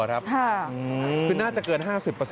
คือน่าจะเกิน๕๐แน่ครับ